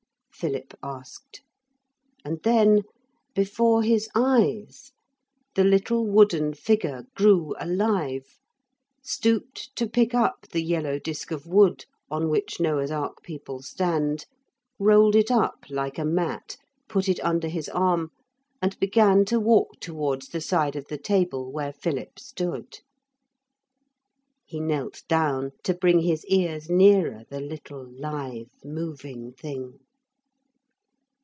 Philip asked. And then, before his eyes, the little wooden figure grew alive, stooped to pick up the yellow disc of wood on which Noah's Ark people stand, rolled it up like a mat, put it under his arm and began to walk towards the side of the table where Philip stood. He knelt down to bring his ears nearer the little live moving thing.